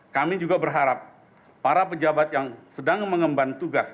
kami juga berharap para pejabat yang sedang mengemban tugas